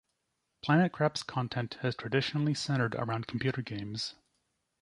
PlanetCrap's content has traditionally centered around computer games.